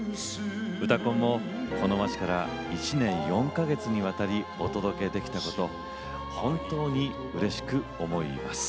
「うたコン」もこの街から１年４か月にわたりお届けできたこと本当にうれしく思います。